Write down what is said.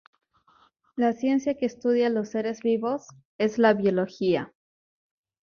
La ciencia que estudia los seres vivos es la biología.